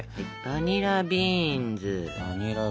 バニラビーンズ。